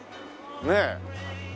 ねえ。